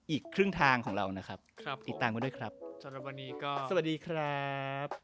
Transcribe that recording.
อีกครึ่งทางของเรานะครับติดตามกันด้วยครับสำหรับวันนี้ก็สวัสดีครับ